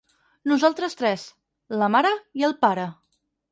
Nosaltres tres, la mare i el pare!